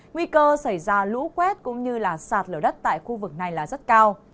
nguy cơ xảy ra lũ quét cũng như sạt lở đất tại khu vực này là rất cao